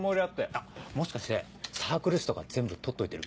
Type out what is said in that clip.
あっもしかしてサークル誌とか全部とっといてる？